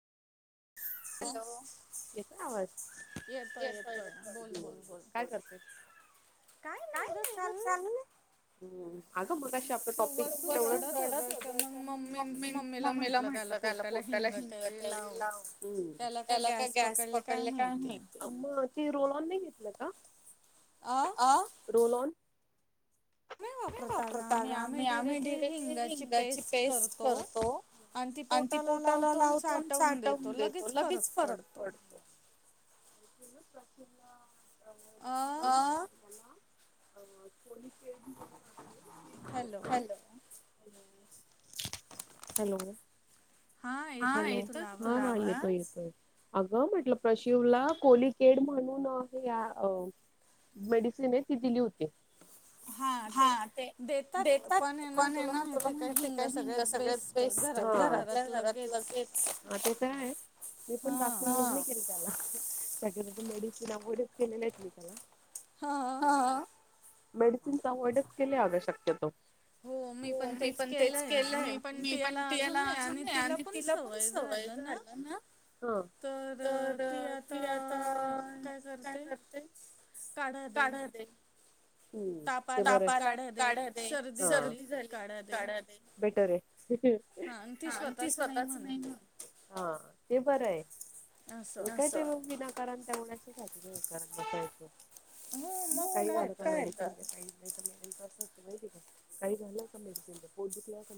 Hello येतोय आवाज? येतोय येतोय बोल बोल काय करतेस? काही नाही ग चाललंय. अगं ब आप टॉपिक रत होत. का म म मम्मीला म्हटलं त्याला पोटाला हिंग त्यारी लाव त्याला का गॅस पकडले काय माहिती मग ते रोल ऑन नाही. घेतलं का? अ का रोल ऑन काय वापरत आम्ही डिरेक्टली हिंगाची पेस्ट करतो. आणि ती पोटाला लावतो. आणि साठवून देतो लगेच फरक पडतो हे प्रश्न आ हा हॅलो [inaudible] हॅलो हाईई [unintelligible] अगं म्हटलं प्रशिवला कोलिकेड म्हणून हे अ मेडिसिन आहे ती दिली होती. हा ते देतात पण ना तुला माहिती आहे. का हिंग सगळ्या बेस्ट घरातल्या घरात लगेच तो काय आहे मी पण दख केल त्याला मेडिसिन अवॉइड केलेलं आहेत. मी त्याला हा मेडिसिन अवॉर्ड केल्या शक्यतो. हो मी पण तेच केलंय मी पण त याला अजून आणि सवय झा त आ का ते काढा काढा देते तापाला काढा दे सर्दी झाली काढा दे बेटर आहे. हा आणि ती स्वतःच नाही. काय ते बरं आहे विनाकारण त्या नाही कारण बसायचं काही झालं क मा का काही झा का मडिसनो क